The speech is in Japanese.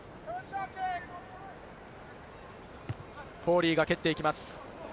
フォーリーが蹴っていきます。